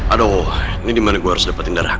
aduh ini dimana gue harus dapetin darah ab ya